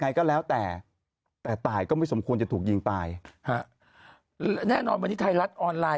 ไงก็แล้วแต่แต่ตายก็ไม่สมควรจะถูกยิงตายแล้วนอนไปทีรัสออนไลน์